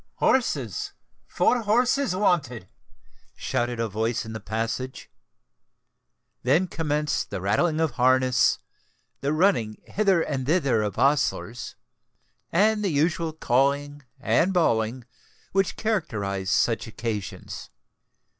"Horses! four horses wanted!" shouted a voice in the passage. Then commenced the rattling of harness,—the running hither and thither of ostlers,—and the usual calling and bawling which characterise such occasions.